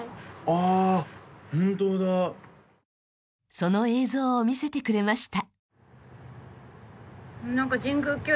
その映像を見せてくれました。